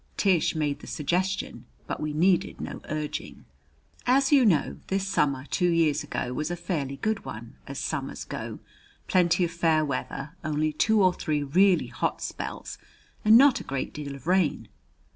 Tish made the suggestion, but we needed no urging. As you know, this summer two years ago was a fairly good one, as summers go, plenty of fair weather, only two or three really hot spells, and not a great deal of rain.